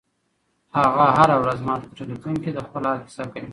هغه هره ورځ ماته په ټیلیفون کې د خپل حال کیسه کوي.